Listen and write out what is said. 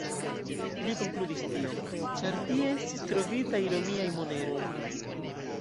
Li konkludis tion, ĉar tie estis trovitaj romiaj moneroj.